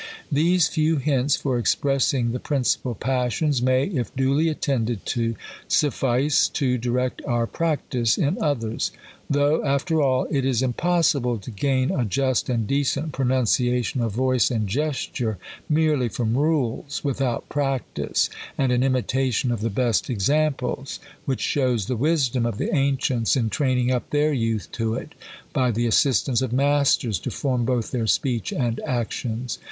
These few hints for expressing the principal passions may, if duly attended to, suffice to direct our practice in others. Though, after all, it is impossible to gain a just and decent pronunciation of voice and gesture merely from rules, without practice and an imitation of the best examples : which shows the wisdom of the ancients, in training up their youth to it, by the assistance of masters, to form both their speech and actions.